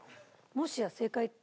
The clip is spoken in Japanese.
もしや正解って。